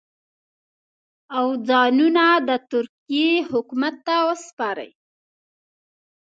او ځانونه د ترکیې حکومت ته وسپاري.